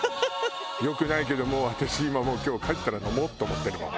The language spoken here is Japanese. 良くないけど私今もう今日帰ったら飲もうと思ってるもん。